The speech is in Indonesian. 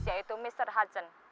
yaitu mr hudson